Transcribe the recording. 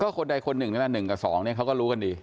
คนใดคนหนึ่งนี่แหละ๑กับ๒เนี่ยเขาก็รู้กันดี